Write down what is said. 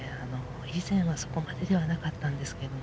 以前はそこまでではなかったんですけれど。